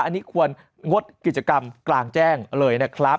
อันนี้ควรงดกิจกรรมกลางแจ้งเลยนะครับ